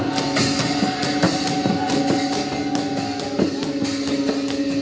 สวัสดีสวัสดี